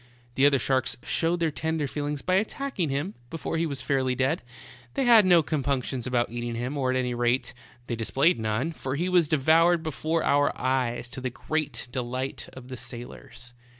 The other sharks showed their tender feelings by attacking him before he was fairly dead ; they had no compunctions about eating him, or at any rate, displayed none, for he was devoured before our eyes, to the great delight of the sailors.